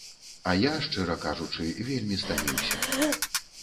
А я, шчыра кажучы, вельмі стаміўся.